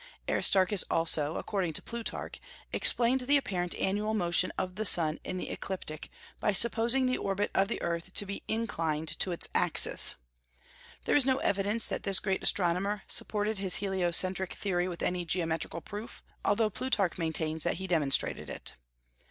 Aristarchus also, according to Plutarch, explained the apparent annual motion of the sun in the ecliptic by supposing the orbit of the earth to be inclined to its axis. There is no evidence that this great astronomer supported his heliocentric theory with any geometrical proof, although Plutarch maintains that he demonstrated it.